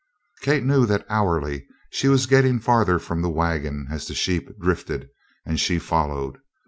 Kate knew that hourly she was getting farther from the wagon as the sheep drifted and she followed.